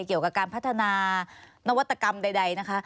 เกี่ยวกับการพัฒนานวัตกรรมใดนะคะ